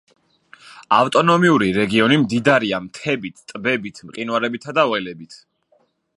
ავტონომიური რეგიონი მდიდარია მთებით, ტბებით, მყინვარებითა და ველებით.